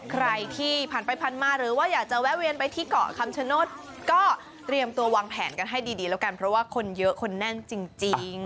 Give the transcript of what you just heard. ใครที่ผ่านไปผ่านมาหรือว่าอยากจะแวะเวียนไปที่เกาะคำชโนธก็เตรียมตัววางแผนกันให้ดีแล้วกันเพราะว่าคนเยอะคนแน่นจริง